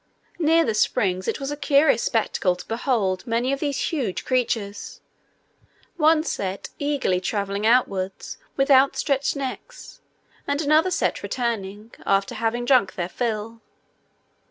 Near the springs it was a curious spectacle to behold many of these huge creatures, one set eagerly travelling onwards with outstretched necks, and another set returning, after having drunk their fill.